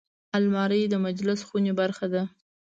الماري د مجلس خونې برخه ده